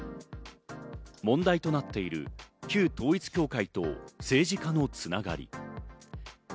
問題となっている旧統一教会と政治家のつながり。